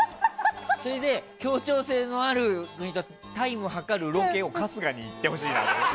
それで、協調性のあるタイム計るロケを春日に行ってほしいの。